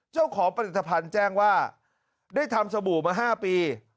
เจ้าของผลิตภัณฑ์แจ้งว่าได้ทำสบู่มา๕ปี